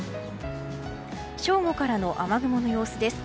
正午からの雨雲の様子です。